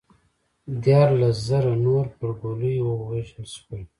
دیارلس زره نور پر ګولیو ووژل شول